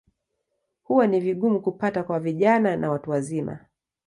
Huwa ni vigumu kupata kwa vijana na watu wazima.